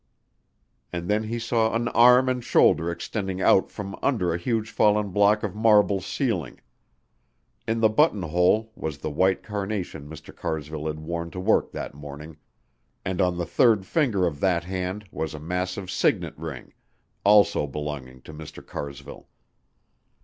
And then he saw an arm and shoulder extending out from under a huge fallen block of marble ceiling. In the buttonhole was the white carnation Mr. Carsville had worn to work that morning, and on the third finger of that hand was a massive signet ring, also belonging to Mr. Carsville.